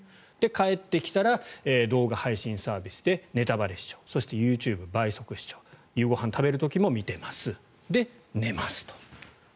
帰ってきたら動画配信サービスでネタバレ視聴そしてＹｏｕＴｕｂｅ、倍速視聴夕ご飯を食べる時も見ていますで、寝ますと。